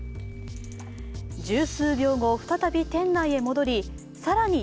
十数秒後、再び店内へと戻り更に